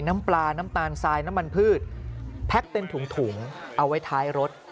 น้ำปลาน้ำตาลทรายน้ำมันพืชแพ็คเป็นถุงเอาไว้ท้ายรถ